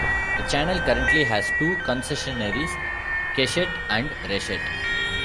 The channel currently has two concessionaires: Keshet and Reshet.